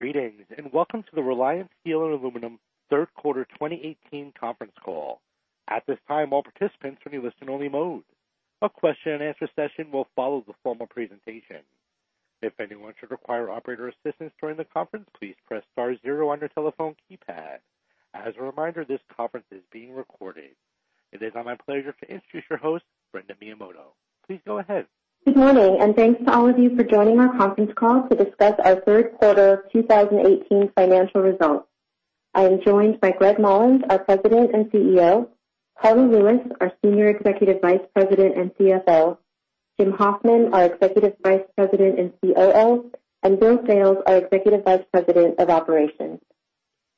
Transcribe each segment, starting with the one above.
Greetings, and welcome to the Reliance Steel & Aluminum third quarter 2018 conference call. At this time, all participants will be in listen-only mode. A question-and-answer session will follow the formal presentation. If anyone should require operator assistance during the conference, please press star zero on your telephone keypad. As a reminder, this conference is being recorded. It is now my pleasure to introduce your host, Brenda Miyamoto. Please go ahead. Good morning. Thanks to all of you for joining our conference call to discuss our third quarter 2018 financial results. I am joined by Gregg Mollins, our President and CEO, Karla Lewis, our Senior Executive Vice President and CFO, Jim Hoffman, our Executive Vice President and COO, and Bill Sales, our Executive Vice President of Operations.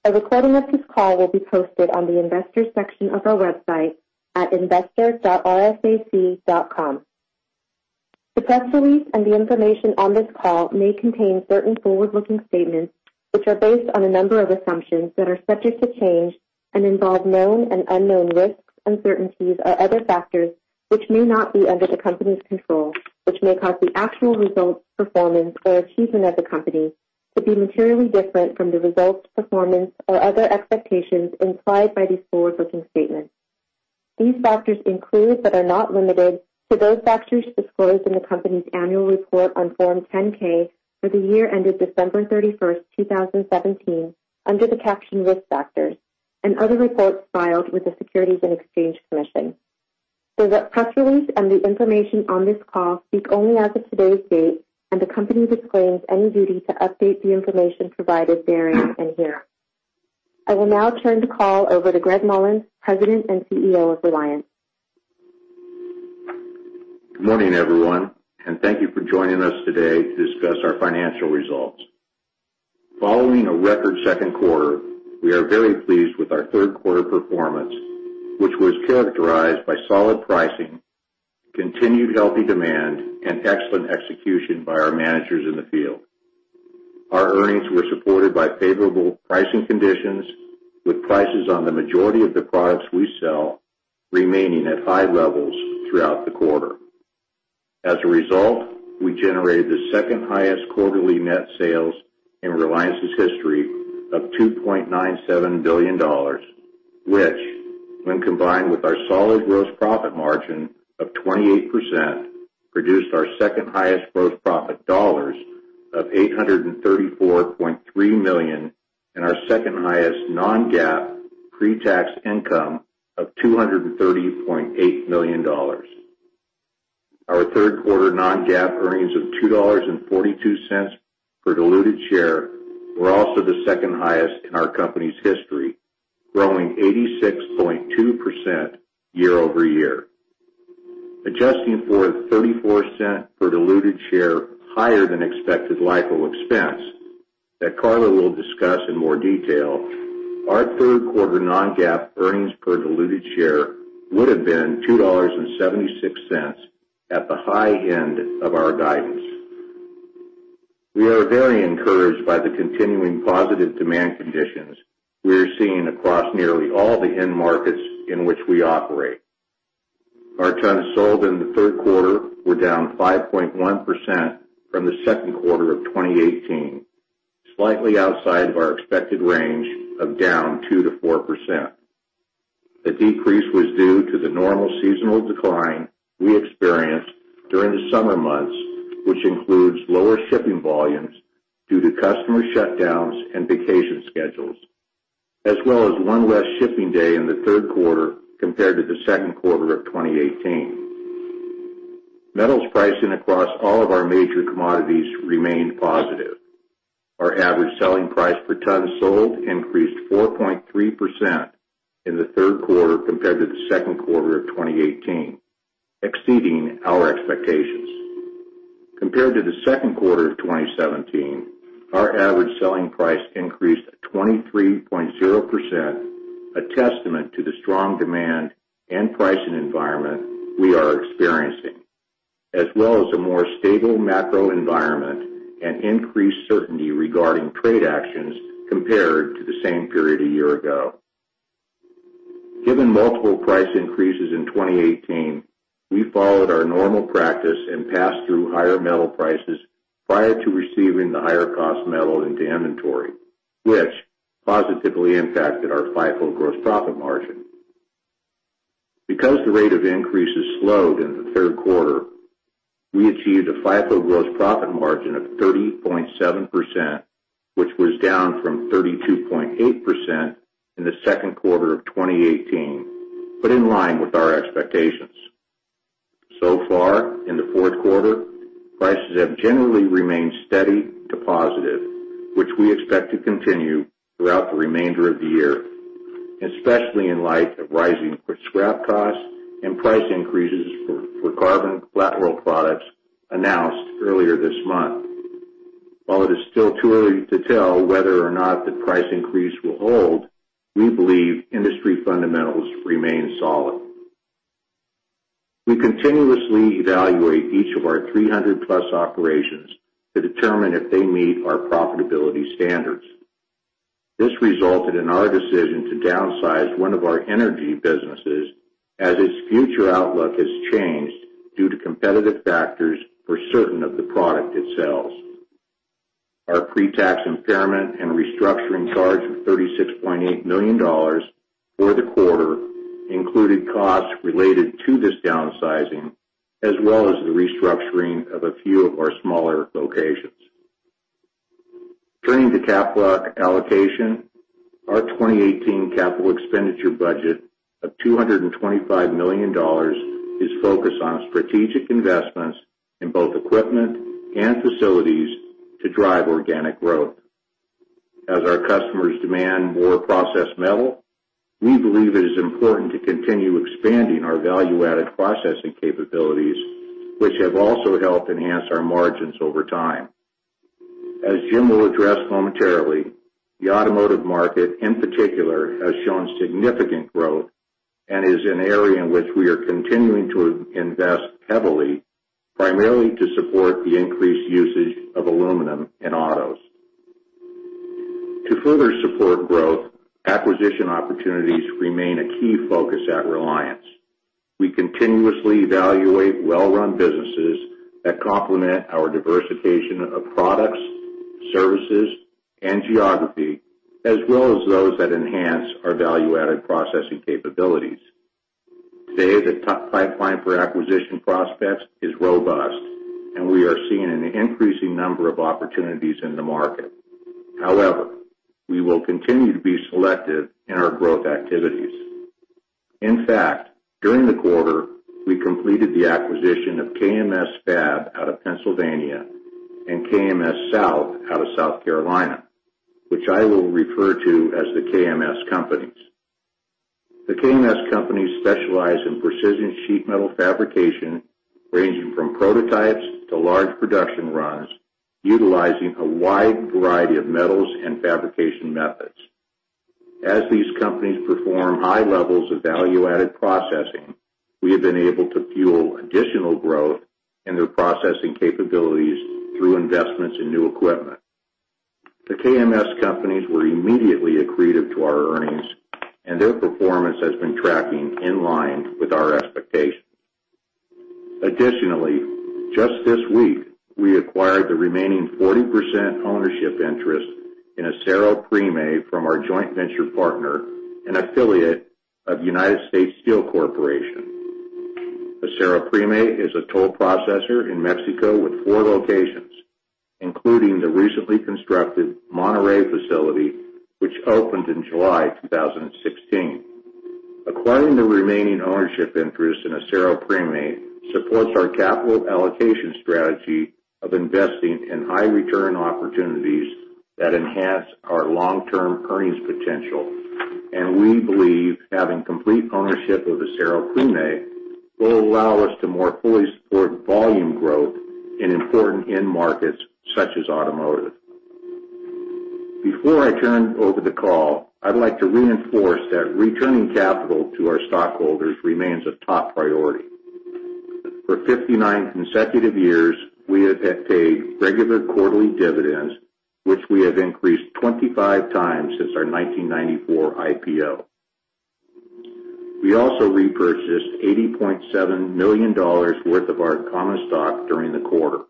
A recording of this call will be posted on the Investors section of our website at investor.rsac.com. The press release and the information on this call may contain certain forward-looking statements, which are based on a number of assumptions that are subject to change and involve known and unknown risks, uncertainties, or other factors which may not be under the company's control, which may cause the actual results, performance, or achievement of the company to be materially different from the results, performance, or other expectations implied by these forward-looking statements. These factors include, but are not limited to those factors disclosed in the company's annual report on Form 10-K for the year ended December 31st, 2017, under the caption Risk Factors and other reports filed with the Securities and Exchange Commission. The press release and the information on this call speak only as of today's date, and the company disclaims any duty to update the information provided therein and here. I will now turn the call over to Gregg Mollins, President and CEO of Reliance. Good morning, everyone. Thank you for joining us today to discuss our financial results. Following a record second quarter, we are very pleased with our third quarter performance, which was characterized by solid pricing, continued healthy demand, and excellent execution by our managers in the field. Our earnings were supported by favorable pricing conditions, with prices on the majority of the products we sell remaining at high levels throughout the quarter. As a result, we generated the second highest quarterly net sales in Reliance's history of $2.97 billion, which, when combined with our solid gross profit margin of 28%, produced our second highest gross profit dollars of $834.3 million and our second highest non-GAAP pre-tax income of $230.8 million. Our third quarter non-GAAP earnings of $2.42 per diluted share were also the second highest in our company's history, growing 86.2% year-over-year. Adjusting for the $0.34 per diluted share higher than expected LIFO expense that Karla will discuss in more detail, our third quarter non-GAAP earnings per diluted share would've been $2.76 at the high end of our guidance. We are very encouraged by the continuing positive demand conditions we are seeing across nearly all the end markets in which we operate. Our tons sold in the third quarter were down 5.1% from the second quarter of 2018, slightly outside of our expected range of down 2%-4%. The decrease was due to the normal seasonal decline we experienced during the summer months, which includes lower shipping volumes due to customer shutdowns and vacation schedules, as well as one less shipping day in the third quarter compared to the second quarter of 2018. Metals pricing across all of our major commodities remained positive. Our average selling price per ton sold increased 4.3% in the third quarter compared to the second quarter of 2018, exceeding our expectations. Compared to the second quarter of 2017, our average selling price increased 23.0%, a testament to the strong demand and pricing environment we are experiencing, as well as a more stable macroenvironment and increased certainty regarding trade actions compared to the same period a year ago. Given multiple price increases in 2018, we followed our normal practice and passed through higher metal prices prior to receiving the higher cost metal into inventory, which positively impacted our FIFO gross profit margin. Because the rate of increases slowed in the third quarter, we achieved a FIFO gross profit margin of 30.7%, which was down from 32.8% in the second quarter of 2018, but in line with our expectations. So far, in the fourth quarter, prices have generally remained steady to positive, which we expect to continue throughout the remainder of the year, especially in light of rising scrap costs and price increases for carbon flat roll products announced earlier this month. While it is still too early to tell whether or not the price increase will hold, we believe industry fundamentals remain solid. We continuously evaluate each of our 300-plus operations to determine if they meet our profitability standards. This resulted in our decision to downsize one of our energy businesses as its future outlook has changed due to competitive factors for certain of the product it sells. Our pre-tax impairment and restructuring charge of $36.8 million for the quarter included costs related to this downsizing, as well as the restructuring of a few of our smaller locations. Turning to capital allocation. Our 2018 capital expenditure budget of $225 million is focused on strategic investments in both equipment and facilities to drive organic growth. As our customers demand more processed metal, we believe it is important to continue expanding our value-added processing capabilities, which have also helped enhance our margins over time. As Jim will address momentarily, the automotive market, in particular, has shown significant growth and is an area in which we are continuing to invest heavily, primarily to support the increased usage of aluminum in autos. To further support growth, acquisition opportunities remain a key focus at Reliance. We continuously evaluate well-run businesses that complement our diversification of products, services, and geography, as well as those that enhance our value-added processing capabilities. Today, the top pipeline for acquisition prospects is robust, and we are seeing an increasing number of opportunities in the market. However, we will continue to be selective in our growth activities. In fact, during the quarter, we completed the acquisition of KMS Fab out of Pennsylvania and KMS South out of South Carolina, which I will refer to as the KMS companies. The KMS companies specialize in precision sheet metal fabrication, ranging from prototypes to large production runs, utilizing a wide variety of metals and fabrication methods. As these companies perform high levels of value-added processing, we have been able to fuel additional growth in their processing capabilities through investments in new equipment. The KMS companies were immediately accretive to our earnings, and their performance has been tracking in line with our expectations. Additionally, just this week, we acquired the remaining 40% ownership interest in Acero Prime from our joint venture partner and affiliate of United States Steel Corporation. Acero Prime is a toll processor in Mexico with four locations, including the recently constructed Monterrey facility, which opened in July 2016. Acquiring the remaining ownership interest in Acero Prime supports our capital allocation strategy of investing in high-return opportunities that enhance our long-term earnings potential. We believe having complete ownership of Acero Prime will allow us to more fully support volume growth in important end markets such as automotive. Before I turn over the call, I'd like to reinforce that returning capital to our stockholders remains a top priority. For 59 consecutive years, we have paid regular quarterly dividends, which we have increased 25 times since our 1994 IPO. We also repurchased $80.7 million worth of our common stock during the quarter,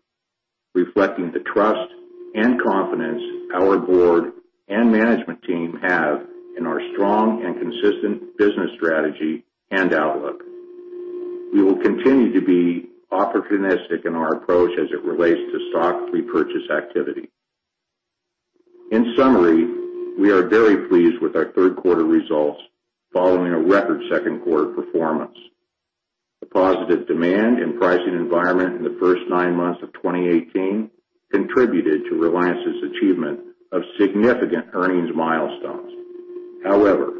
reflecting the trust and confidence our board and management team have in our strong and consistent business strategy and outlook. We will continue to be opportunistic in our approach as it relates to stock repurchase activity. In summary, we are very pleased with our third quarter results following a record second quarter performance. The positive demand and pricing environment in the first nine months of 2018 contributed to Reliance's achievement of significant earnings milestones. However,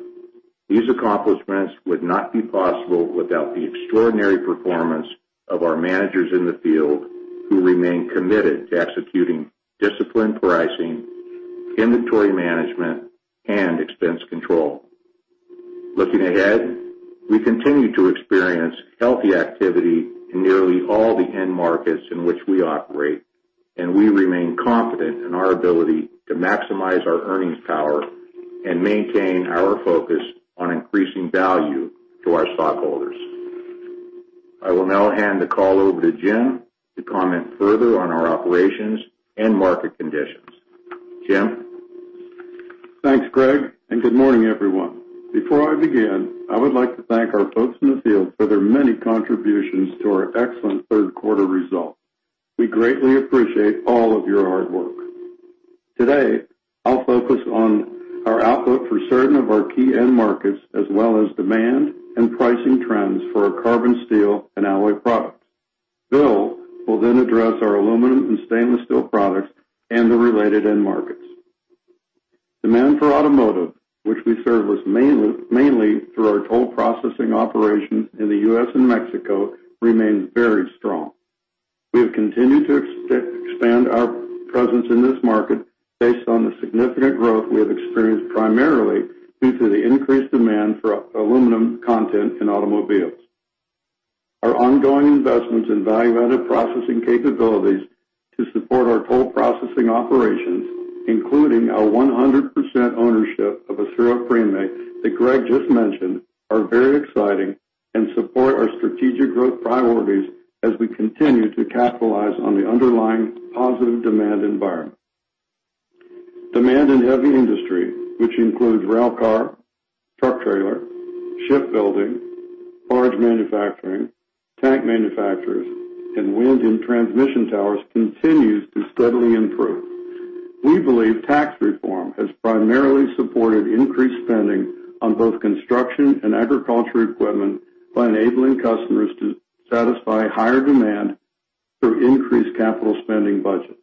these accomplishments would not be possible without the extraordinary performance of our managers in the field who remain committed to executing disciplined pricing, inventory management, and expense control. Looking ahead, we continue to experience healthy activity in nearly all the end markets in which we operate, and we remain confident in our ability to maximize our earnings power and maintain our focus on increasing value to our stockholders. I will now hand the call over to Jim to comment further on our operations and market conditions. Jim? Thanks, Gregg, and good morning, everyone. Before I begin, I would like to thank our folks in the field for their many contributions to our excellent third quarter results. We greatly appreciate all of your hard work. Today, I'll focus on our outlook for certain of our key end markets, as well as demand and pricing trends for our carbon steel and alloy products. Bill will then address our aluminum and stainless steel products and the related end markets. Demand for automotive, which we service mainly through our toll processing operation in the U.S. and Mexico, remains very strong. We have continued to expand our presence in this market based on the significant growth we have experienced, primarily due to the increased demand for aluminum content in automobiles. Our ongoing investments in value-added processing capabilities to support our toll processing operations, including our 100% ownership of Acero Prime that Gregg just mentioned, are very exciting and support our strategic growth priorities as we continue to capitalize on the underlying positive demand environment. Demand in heavy industry, which includes railcar, truck trailer, shipbuilding, barge manufacturing, tank manufacturers, and wind and transmission towers, continues to steadily improve. We believe tax reform has primarily supported increased spending on both construction and agriculture equipment by enabling customers to satisfy higher demand through increased capital spending budgets.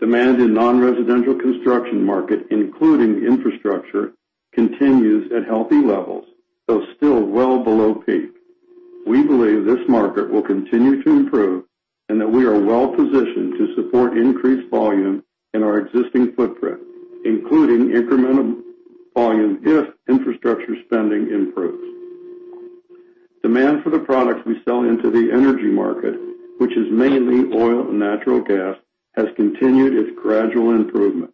Demand in non-residential construction market, including infrastructure, continues at healthy levels, though still well below peak. We believe this market will continue to improve and that we are well-positioned to support increased volume in our existing footprint, including incremental volume if infrastructure spending improves. Demand for the products we sell into the energy market, which is mainly oil and natural gas, has continued its gradual improvement.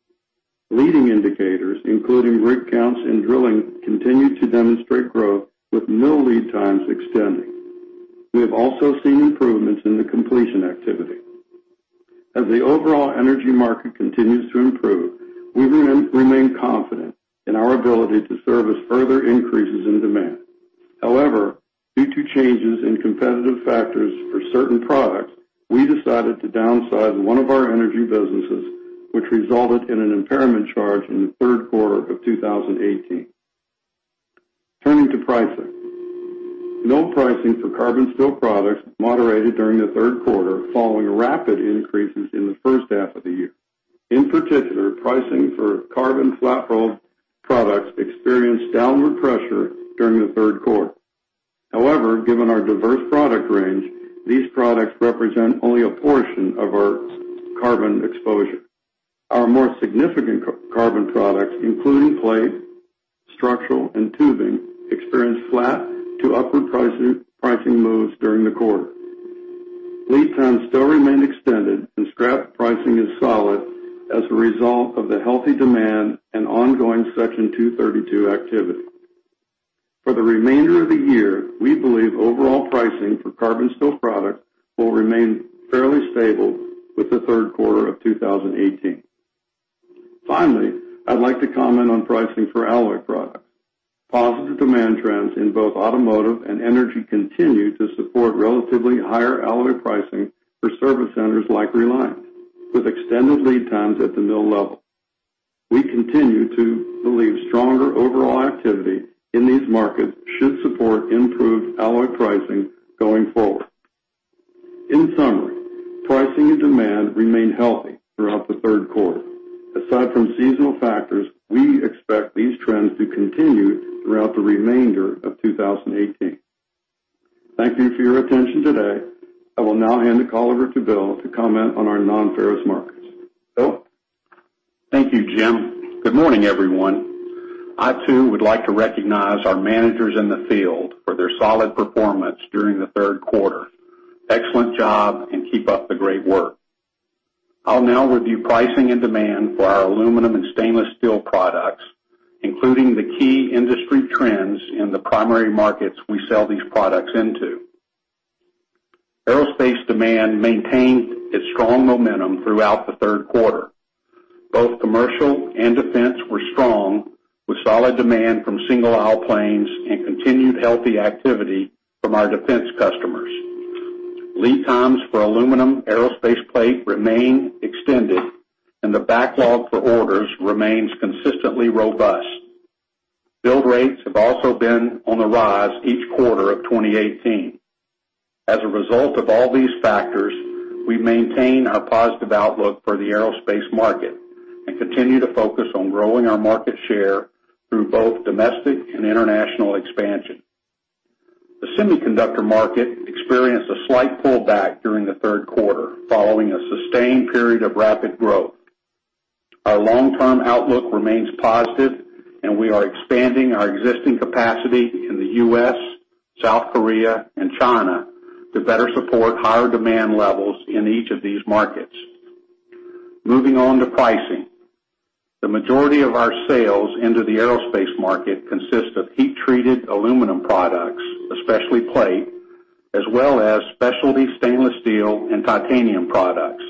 Leading indicators, including rig counts and drilling, continue to demonstrate growth with no lead times extending. We have also seen improvements in the completion activity. As the overall energy market continues to improve, we remain confident in our ability to service further increases in demand. However, due to changes in competitive factors for certain products, we decided to downsize one of our energy businesses, which resulted in an impairment charge in the third quarter of 2018. Turning to pricing. Mill pricing for carbon steel products moderated during the third quarter, following rapid increases in the first half of the year. In particular, pricing for carbon flat-rolled products experienced downward pressure during the third quarter. However, given our diverse product range, these products represent only a portion of our carbon exposure. Our more significant carbon products, including plate, structural, and tubing, experienced flat to upward pricing moves during the quarter. Lead times still remain extended, and scrap pricing is solid as a result of the healthy demand and ongoing Section 232 activity. For the remainder of the year, we believe overall pricing for carbon steel products will remain fairly stable with the third quarter of 2018. Finally, I'd like to comment on pricing for alloy products. Positive demand trends in both automotive and energy continue to support relatively higher alloy pricing for service centers like Reliance, with extended lead times at the mill level. We continue to believe stronger overall activity in these markets should support improved alloy pricing going forward. In summary, pricing and demand remained healthy throughout the third quarter. Aside from seasonal factors, we expect these trends to continue throughout the remainder of 2018. Thank you for your attention today. I will now hand the call over to Bill to comment on our nonferrous markets. Bill? Thank you, Jim. Good morning, everyone. I too would like to recognize our managers in the field for their solid performance during the third quarter. Excellent job, and keep up the great work. I'll now review pricing and demand for our aluminum and stainless steel products, including the key industry trends in the primary markets we sell these products into. Aerospace demand maintained its strong momentum throughout the third quarter. Both commercial and defense were strong, with solid demand from single-aisle planes and continued healthy activity from our defense customers. Lead times for aluminum aerospace plate remain extended, and the backlog for orders remains consistently robust. Build rates have also been on the rise each quarter of 2018. As a result of all these factors, we maintain our positive outlook for the aerospace market and continue to focus on growing our market share through both domestic and international expansion. The semiconductor market experienced a slight pullback during the third quarter, following a sustained period of rapid growth. Our long-term outlook remains positive. We are expanding our existing capacity in the U.S., South Korea, and China to better support higher demand levels in each of these markets. Moving on to pricing. The majority of our sales into the aerospace market consist of heat-treated aluminum products, especially plate, as well as specialty stainless steel and titanium products.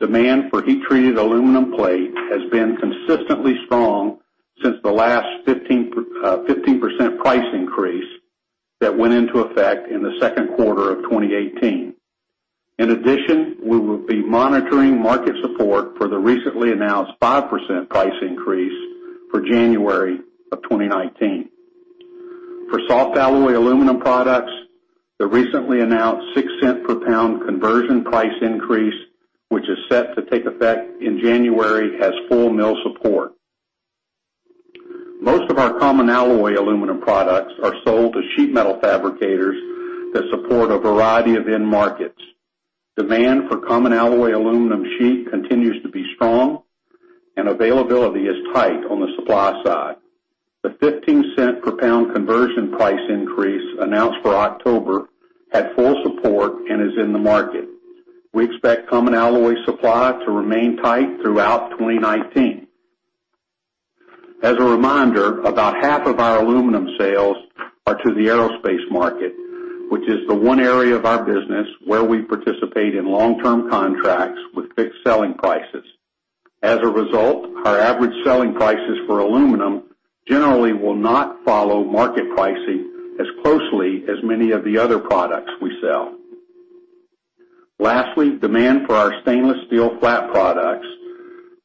Demand for heat-treated aluminum plate has been consistently strong since the last 15% price increase that went into effect in the second quarter of 2018. In addition, we will be monitoring market support for the recently announced 5% price increase for January of 2019. For soft alloy aluminum products, the recently announced $0.06 per pound conversion price increase, which is set to take effect in January, has full mill support. Most of our common alloy aluminum products are sold to sheet metal fabricators that support a variety of end markets. Demand for common alloy aluminum sheet continues to be strong. Availability is tight on the supply side. The $0.15 per pound conversion price increase announced for October had full support and is in the market. We expect common alloy supply to remain tight throughout 2019. As a reminder, about half of our aluminum sales are to the aerospace market, which is the one area of our business where we participate in long-term contracts with fixed selling prices. As a result, our average selling prices for aluminum generally will not follow market pricing as closely as many of the other products we sell. Lastly, demand for our stainless steel flat products,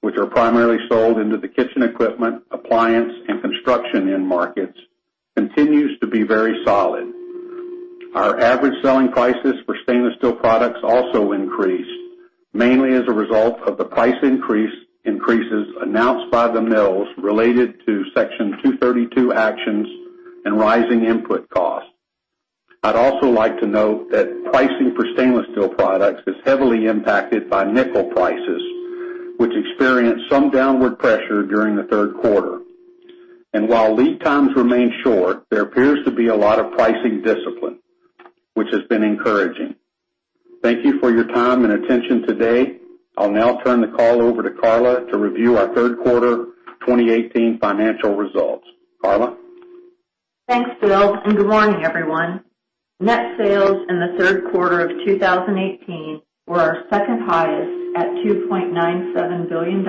which are primarily sold into the kitchen equipment, appliance, and construction end markets, continues to be very solid. Our average selling prices for stainless steel products also increased, mainly as a result of the price increases announced by the mills related to Section 232 actions and rising input costs. I'd also like to note that pricing for stainless steel products is heavily impacted by nickel prices, which experienced some downward pressure during the third quarter. While lead times remain short, there appears to be a lot of pricing discipline, which has been encouraging. Thank you for your time and attention today. I'll now turn the call over to Karla to review our third quarter 2018 financial results. Karla? Thanks, Bill, good morning, everyone. Net sales in the third quarter of 2018 were our second highest at $2.97 billion,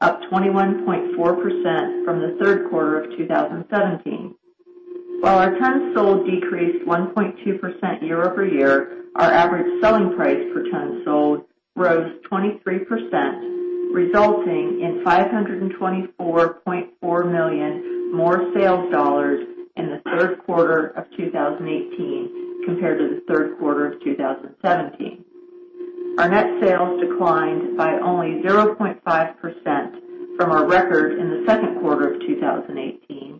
up 21.4% from the third quarter of 2017. While our tons sold decreased 1.2% year-over-year, our average selling price per ton sold rose 23%, resulting in $524.4 million more sales dollars in the third quarter of 2018 compared to the third quarter of 2017. Our net sales declined by only 0.5% from our record in the second quarter of 2018,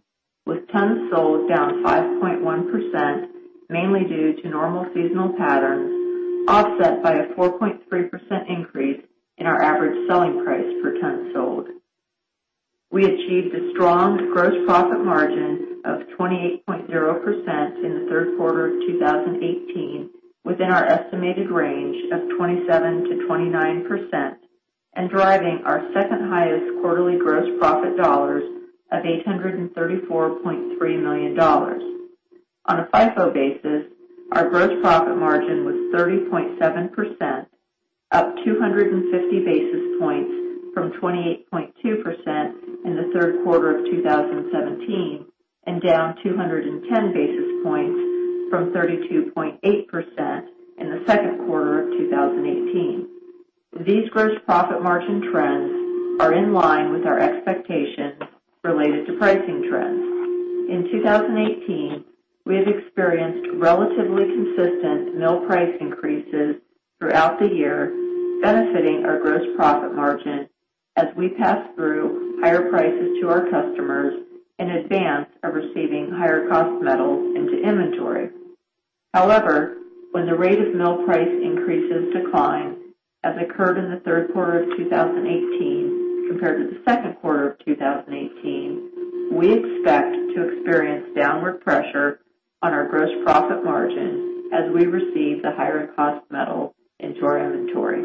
with tons sold down 5.1%, mainly due to normal seasonal patterns, offset by a 4.3% increase in our average selling price per ton sold. We achieved a strong gross profit margin of 28.0% in the third quarter of 2018 within our estimated range of 27%-29%, driving our second highest quarterly gross profit dollars of $834.3 million. On a FIFO basis, our gross profit margin was 30.7%, up 250 basis points from 28.2% in the third quarter of 2017, down 210 basis points from 32.8% in the second quarter of 2018. These gross profit margin trends are in line with our expectations related to pricing trends. In 2018, we have experienced relatively consistent mill price increases throughout the year, benefiting our gross profit margin as we pass through higher prices to our customers in advance of receiving higher cost metals into inventory. However, when the rate of mill price increases decline, as occurred in the third quarter of 2018 compared to the second quarter of 2018, we expect to experience downward pressure on our gross profit margin as we receive the higher cost metal into our inventory.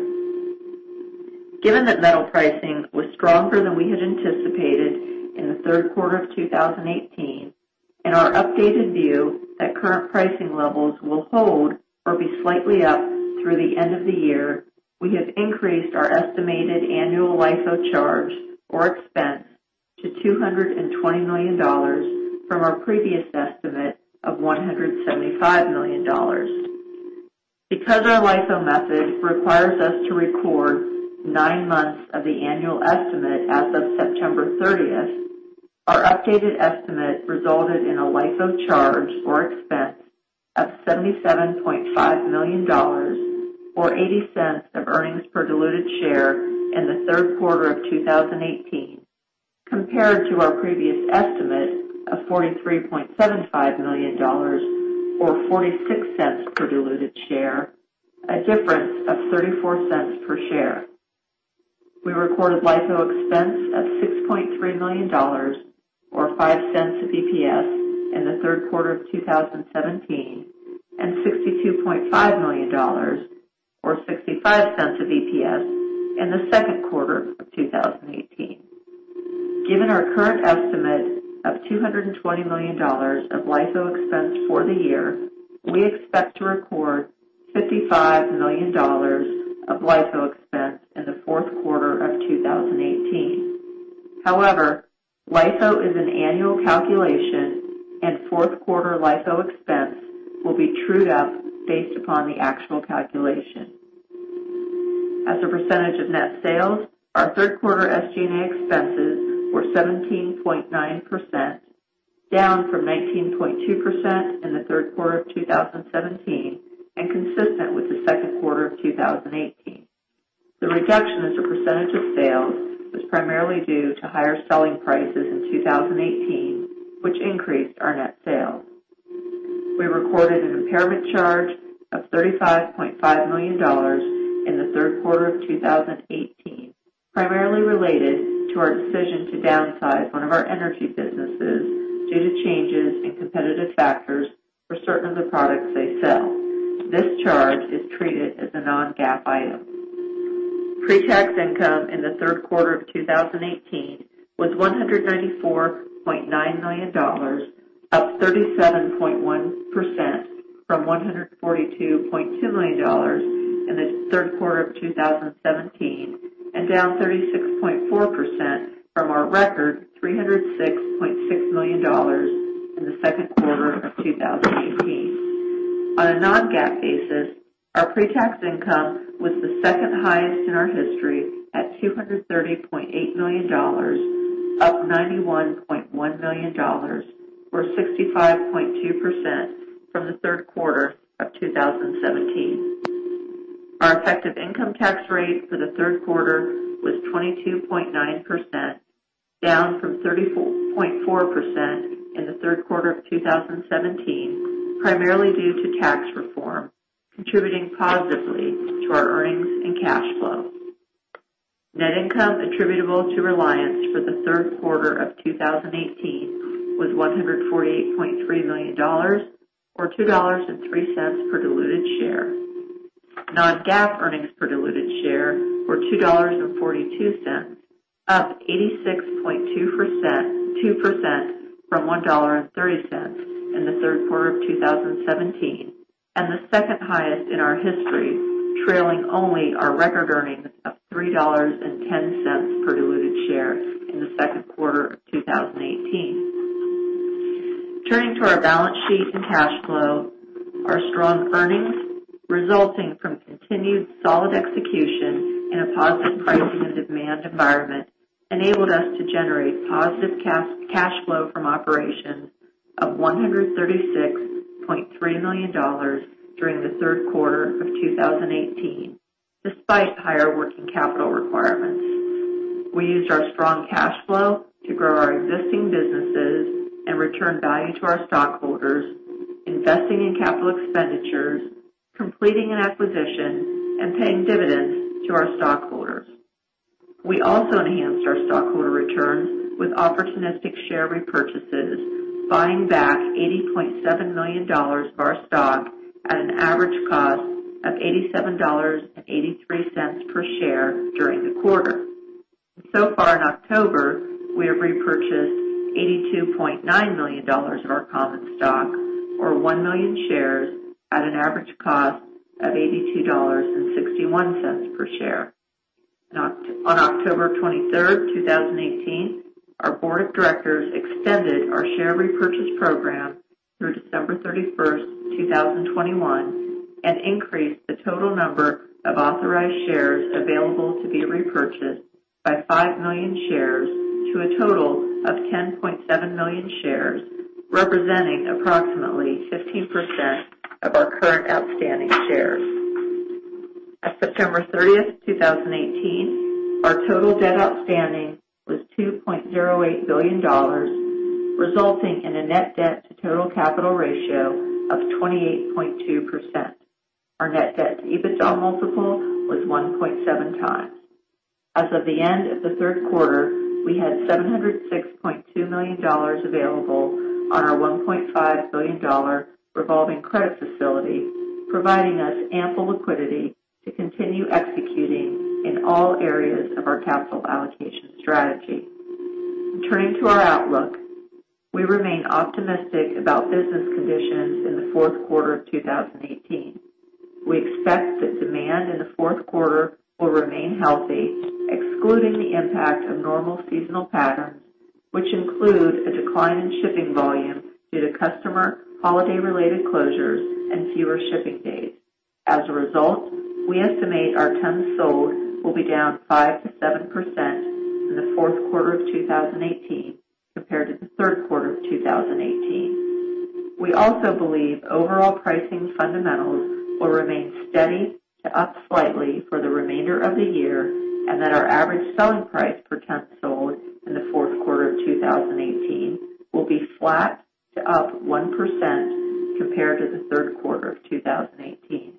Given that metal pricing was stronger than we had anticipated in the third quarter of 2018, our updated view that current pricing levels will hold or be slightly up through the end of the year, we have increased our estimated annual LIFO charge or expense to $220 million from our previous estimate of $175 million. Because our LIFO method requires us to record nine months of the annual estimate as of September 30th, our updated estimate resulted in a LIFO charge or expense of $77.5 million or $0.80 of earnings per diluted share in the third quarter of 2018, compared to our previous estimate of $43.75 million or $0.46 per diluted share, a difference of $0.34 per share. We recorded LIFO expense of $6.3 million or $0.05 of EPS in the third quarter of 2017, $62.5 million or $0.65 of EPS in the second quarter of 2018. Given our current estimate of $220 million of LIFO expense for the year, we expect to record $55 million of LIFO expense in the fourth quarter of 2018. However, LIFO is an annual calculation, fourth quarter LIFO expense will be trued up based upon the actual calculation. As a percentage of net sales, our third quarter SG&A expenses were 17.9%, down from 19.2% in the third quarter of 2017 and consistent with the second quarter of 2018. The reduction as a percentage of sales was primarily due to higher selling prices in 2018, which increased our net sales. We recorded an impairment charge of $35.5 million in the third quarter of 2018, primarily related to our decision to downsize one of our energy businesses due to changes in competitive factors for certain of the products they sell. This charge is treated as a non-GAAP item. Pre-tax income in the third quarter of 2018 was $194.9 million, up 37.1% from $142.2 million in the third quarter of 2017, and down 36.4% from our record $306.6 million in the second quarter of 2018. On a non-GAAP basis, our pre-tax income was the second highest in our history at $230.8 million, up $91.1 million or 65.2% from the third quarter of 2017. Our effective income tax rate for the third quarter was 22.9%, down from 34.4% in the third quarter of 2017, primarily due to tax reform, contributing positively to our earnings and cash flow. Net income attributable to Reliance for the third quarter of 2018 was $148.3 million, or $2.03 per diluted share. Non-GAAP earnings per diluted share were $2.42, up 86.2% from $1.30 in the third quarter of 2017, and the second highest in our history, trailing only our record earnings of $3.10 per diluted share in the second quarter of 2018. Turning to our balance sheet and cash flow, our strong earnings, resulting from continued solid execution in a positive pricing and demand environment, enabled us to generate positive cash flow from operations of $136.3 million during the third quarter of 2018, despite higher working capital requirements. We used our strong cash flow to grow our existing businesses and return value to our stockholders, investing in capital expenditures, completing an acquisition, and paying dividends to our stockholders. We also enhanced our stockholder returns with opportunistic share repurchases, buying back $80.7 million of our stock at an average cost of $87.83 per share during the quarter. In October, we have repurchased $82.9 million of our common stock, or 1 million shares, at an average cost of $82.61 per share. On October 23rd, 2018, our board of directors extended our share repurchase program through December 31st, 2021, and increased the total number of authorized shares available to be repurchased by 5 million shares to a total of 10.7 million shares, representing approximately 15% of our current outstanding shares. At September 30th, 2018, our total debt outstanding was $2.08 billion, resulting in a net debt to total capital ratio of 28.2%. Our net debt to EBITDA multiple was 1.7x. As of the end of the third quarter, we had $706.2 million available on our $1.5 billion revolving credit facility, providing us ample liquidity to continue executing in all areas of our capital allocation strategy. Turning to our outlook, we remain optimistic about business conditions in the fourth quarter of 2018. We expect that demand in the fourth quarter will remain healthy, excluding the impact of normal seasonal patterns, which include a decline in shipping volume due to customer holiday related closures and fewer shipping days. As a result, we estimate our tons sold will be down 5%-7% in the fourth quarter of 2018 compared to the third quarter of 2018. We also believe overall pricing fundamentals will remain steady to up slightly for the remainder of the year, and that our average selling price per ton sold in the fourth quarter of 2018 will be flat to up 1% compared to the third quarter of 2018.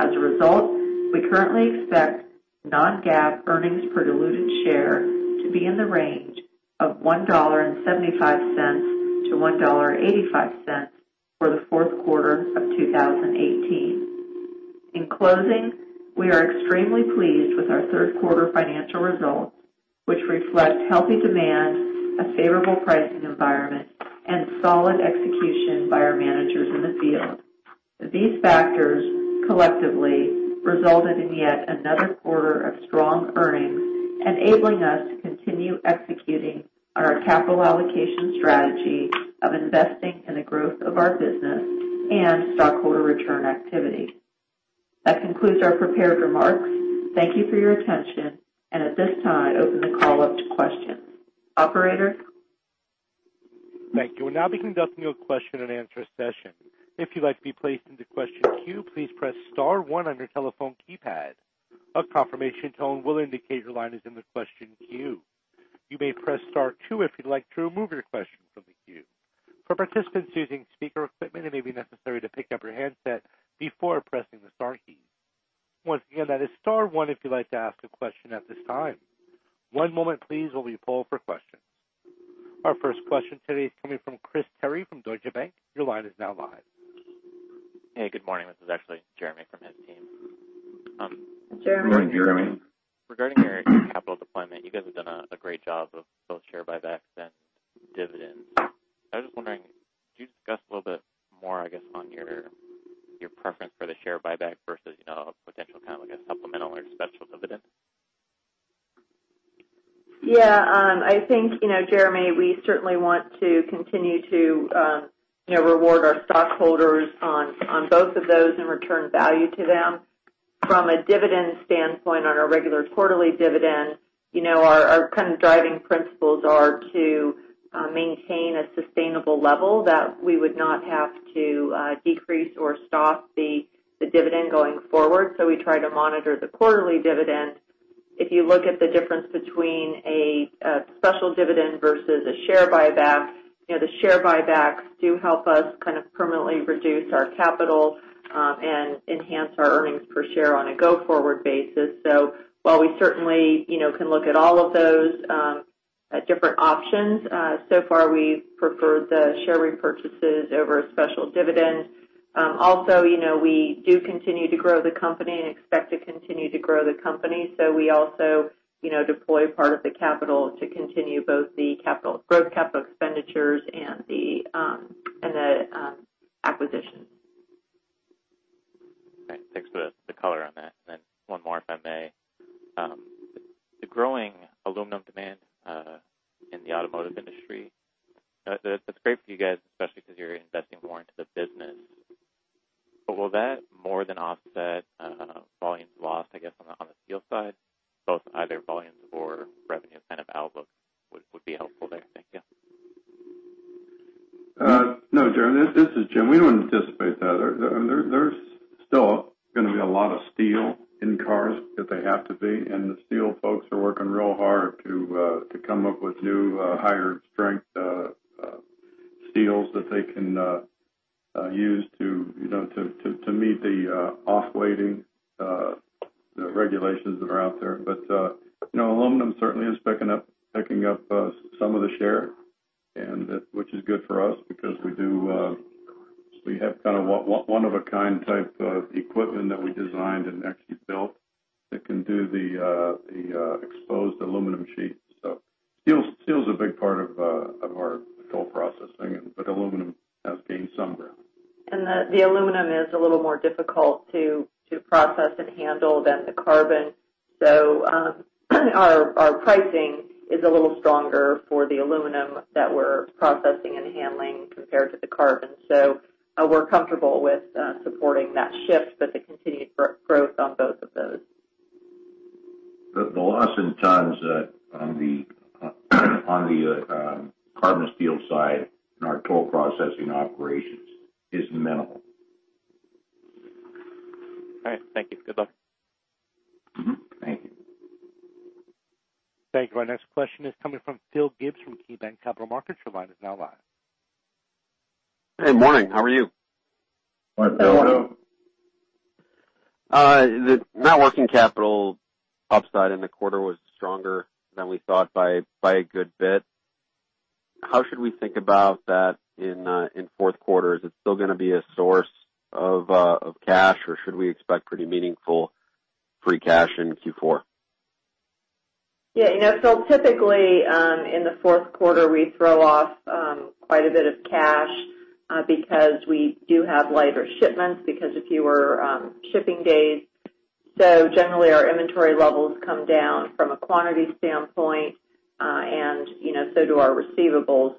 As a result, we currently expect non-GAAP earnings per diluted share to be in the range of $1.75-$1.85 for the fourth quarter of 2018. In closing, we are extremely pleased with our third quarter financial results, which reflect healthy demand, a favorable pricing environment, and solid execution by our managers in the field. These factors collectively resulted in yet another quarter of strong earnings, enabling us to continue executing our capital allocation strategy of investing in the growth of our business and stockholder return activity. That concludes our prepared remarks. Thank you for your attention. At this time, I open the call up to questions. Operator? Thank you. We'll now be conducting a question-and-answer session. If you'd like to be placed into question queue, please press star 1 on your telephone keypad. A confirmation tone will indicate your line is in the question queue. You may press star 2 if you'd like to remove your question from the queue. For participants using speaker equipment, it may be necessary to pick up your handset before pressing the star key. Once again, that is star 1 if you'd like to ask a question at this time. One moment please, while we poll for questions. Our first question today is coming from Chris Terry from Deutsche Bank. Your line is now live. Hey, good morning. This is actually Jeremy from his team. Jeremy. Regarding your capital deployment, you guys have done a great job of both share buybacks and dividends. I was just wondering, could you discuss a little bit more, I guess, on your preference for the share buyback versus, a potential kind of like a supplemental or special dividend? Yeah. I think, Jeremy, we certainly want to continue to reward our stockholders on both of those and return value to them. From a dividend standpoint, on our regular quarterly dividend, our kind of driving principles are to maintain a sustainable level that we would not have to decrease or stop the dividend going forward. We try to monitor the quarterly dividend. If you look at the difference between a special dividend versus a share buyback, the share buybacks do help us kind of permanently reduce our capital, and enhance our earnings per share on a go-forward basis. While we certainly can look at all of those different options, so far, we've preferred the share repurchases over a special dividend. Also, we do continue to grow the company and expect to continue to grow the company. We also deploy part of the capital to continue both the growth capital expenditures and the acquisitions. All right. Thanks for the color on that. Thank you. Thank you. Our next question is coming from Philip Gibbs with KeyBanc Capital Markets. Your line is now live. Hey, morning. How are you? Morning, Phil. Good morning. The net working capital upside in the quarter was stronger than we thought by a good bit. How should we think about that in fourth quarter? Is it still gonna be a source of cash, or should we expect pretty meaningful free cash in Q4? Yeah. Typically, in the fourth quarter, we throw off quite a bit of cash because we do have lighter shipments because of fewer shipping days. Generally, our inventory levels come down from a quantity standpoint, and so do our receivables.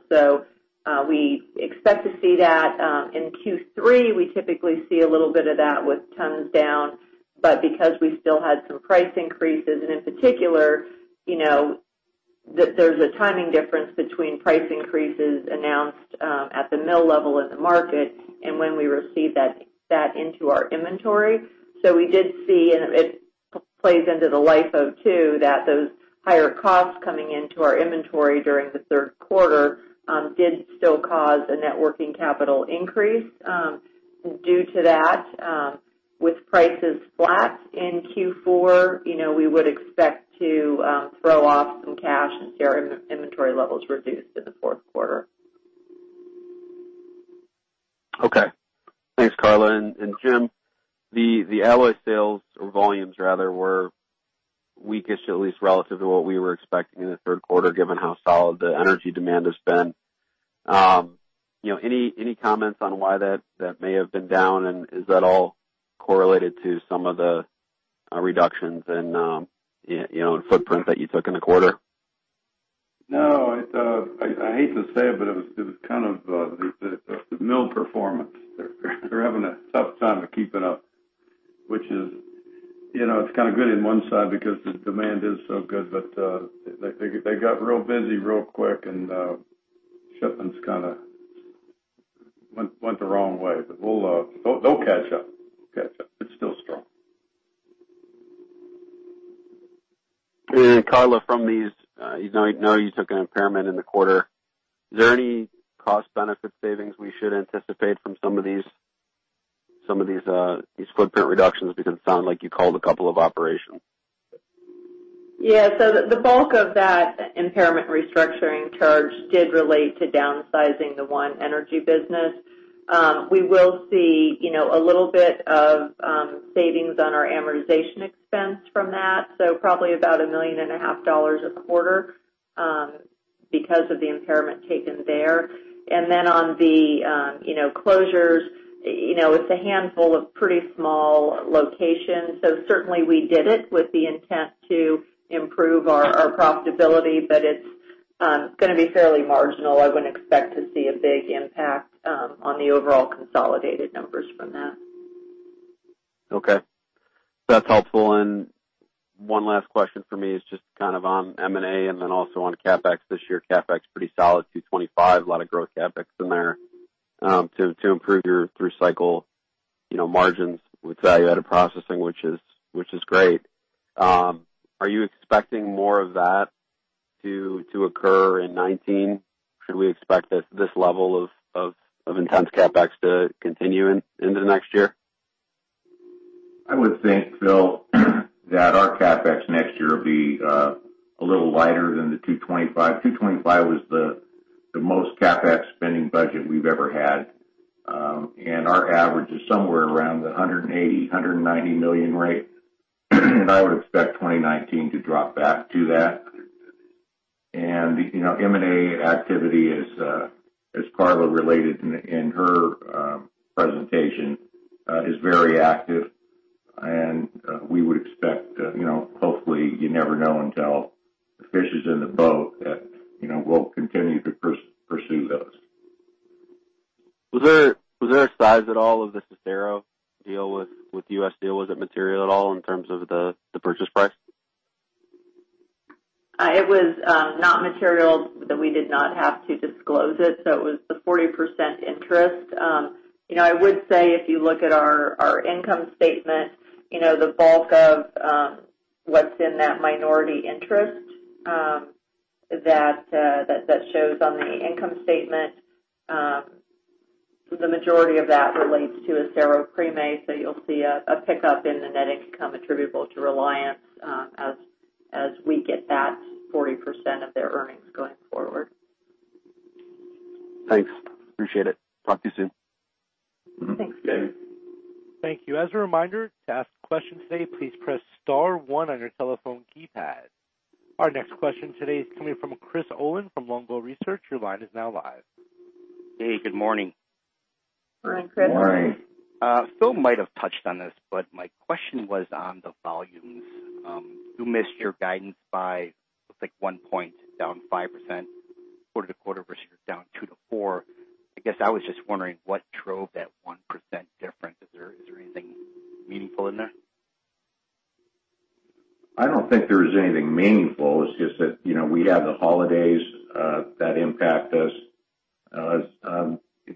We expect to see that. In Q3, we typically see a little bit of that with tons down. Because we still had some price increases, and in particular, there's a timing difference between price increases announced at the mill level in the market and when we receive that into our inventory. We did see, and it plays into the LIFO too, that those higher costs coming into our inventory during the third quarter did still cause a net working capital increase. Due to that, with prices flat in Q4, we would expect to throw off some cash and see our inventory levels reduced in the fourth quarter. Okay. Thanks, Karla. Jim, the alloy sales or volumes rather, were weakest, at least relative to what we were expecting in the third quarter, given how solid the energy demand has been. Any comments on why that may have been down? Is that all correlated to some of the reductions in footprint that you took in the quarter? No. I hate to say it was kind of the mill performance. They're having a tough time keeping up. It's kind of good in one side because the demand is so good, they got real busy real quick, shipments kind of- Went the wrong way, they'll catch up. It's still strong. Karla, from these, you know you took an impairment in the quarter. Is there any cost benefit savings we should anticipate from some of these footprint reductions? It sounded like you culled a couple of operations. The bulk of that impairment restructuring charge did relate to downsizing the ONE Energy business. We will see a little bit of savings on our amortization expense from that, probably about a million and a half dollars a quarter, because of the impairment taken there. On the closures, it's a handful of pretty small locations. Certainly we did it with the intent to improve our profitability, but it's going to be fairly marginal. I wouldn't expect to see a big impact on the overall consolidated numbers from that. Okay. That's helpful. One last question from me is just kind of on M&A and then also on CapEx this year. CapEx pretty solid, $225. A lot of growth CapEx in there, to improve your through cycle margins with value-added processing, which is great. Are you expecting more of that to occur in 2019? Should we expect this level of intense CapEx to continue into next year? I would think, Phil, that our CapEx next year will be a little lighter than the $225. $225 was the most CapEx spending budget we've ever had. Our average is somewhere around the $180 million-$190 million rate. I would expect 2019 to drop back to that. M&A activity, as Karla related in her presentation, is very active and we would expect, hopefully, you never know until the fish is in the boat, that we'll continue to pursue those. Was there a size at all of the Acero deal with U.S. Steel? Was it material at all in terms of the purchase price? It was not material that we did not have to disclose it. It was the 40% interest. I would say if you look at our income statement, the bulk of what's in that minority interest that shows on the income statement the majority of that relates to Acero Prime, so you'll see a pickup in the net income attributable to Reliance as we get that 40% of their earnings going forward. Thanks. Appreciate it. Talk to you soon. Thanks. Okay. Thank you. As a reminder, to ask questions today, please press star one on your telephone keypad. Our next question today is coming from Chris Olin from Longbow Research. Your line is now live. Hey, good morning. Morning, Chris. Morning. Phil might have touched on this, my question was on the volumes. You missed your guidance by, looks like 1 point, down 5%, quarter-over-quarter versus down 2% to 4%. I guess I was just wondering what drove that 1% difference. Is there anything meaningful in there? I don't think there is anything meaningful. It's just that, we have the holidays that impact us.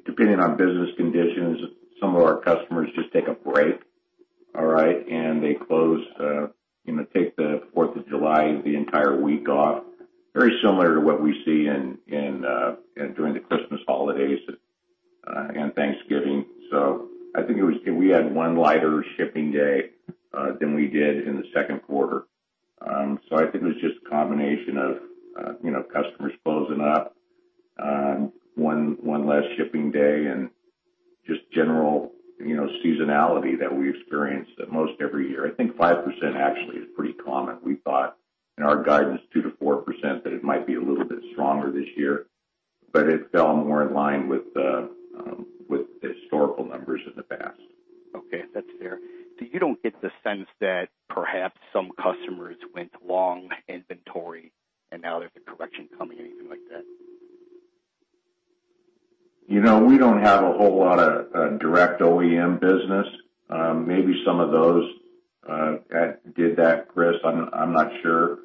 Depending on business conditions, some of our customers just take a break. All right? They close, take the Fourth of July, the entire week off, very similar to what we see during the Christmas holidays and Thanksgiving. I think we had one lighter shipping day than we did in the second quarter. I think it was just a combination of customers closing up, one less shipping day and just general seasonality that we experience most every year. I think 5% actually is pretty common. We thought in our guidance, 2% to 4%, that it might be a little bit stronger this year, but it fell more in line with the historical numbers in the past. Okay. That's fair. You don't get the sense that perhaps some customers went long inventory and now there's a correction coming, anything like that? We don't have a whole lot of direct OEM business. Maybe some of those did that, Chris, I'm not sure.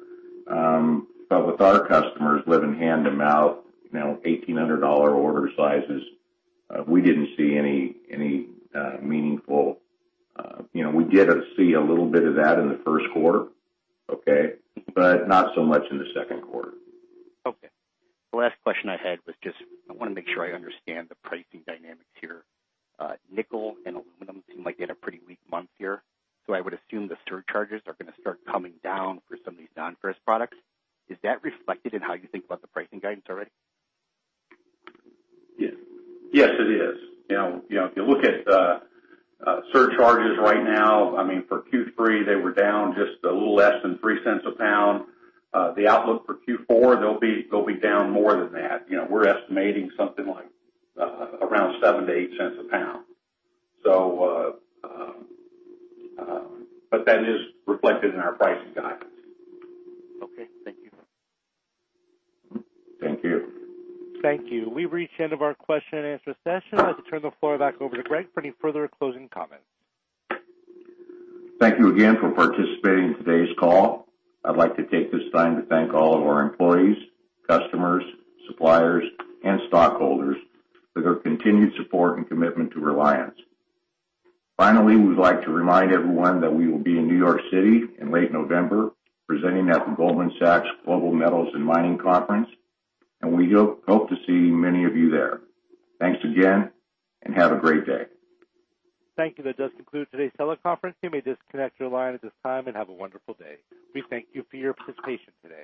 With our customers living hand-to-mouth, $1,800 order sizes, We did see a little bit of that in the first quarter, okay, but not so much in the second quarter. Okay. The last question I had was just, I want to make sure I understand the pricing dynamics here. Nickel and aluminum seem like they had a pretty weak month here, I would assume the surcharges are going to start coming down for some of these non-ferrous products. Is that reflected in how you think about the pricing guidance already? Yes, it is. If you look at surcharges right now, for Q3, they were down just a little less than $0.03 a pound. The outlook for Q4, they'll be down more than that. We're estimating something like around $0.07-$0.08 a pound. That is reflected in our pricing guidance. Okay, thank you. Thank you. Thank you. We've reached the end of our question and answer session. I'd like to turn the floor back over to Gregg for any further closing comments. Thank you again for participating in today's call. I'd like to take this time to thank all of our employees, customers, suppliers, and stockholders for their continued support and commitment to Reliance. Finally, we'd like to remind everyone that we will be in New York City in late November presenting at the Goldman Sachs Global Metals & Mining Conference, we hope to see many of you there. Thanks again, and have a great day. Thank you. That does conclude today's teleconference. You may disconnect your line at this time, have a wonderful day. We thank you for your participation today.